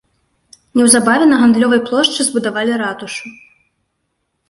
Неўзабаве на гандлёвай плошчы збудавалі ратушу.